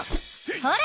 ほら！